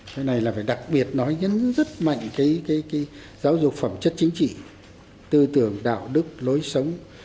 cái này là phải đặc biệt nói rất mạnh cái giáo dục phẩm chất chính trị tư tưởng đạo đức lối sống